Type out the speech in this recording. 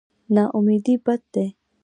نااميدي بد دی.